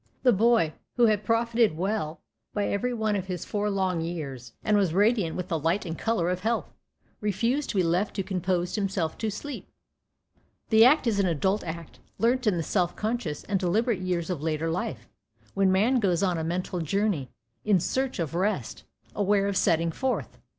The boy, who had profited well by every one of his four long years, and was radiant with the light and colour of health, refused to be left to compose himself to sleep. That act is an adult act, learnt in the self conscious and deliberate years of later life, when man goes on a mental journey in search of rest, aware of setting forth.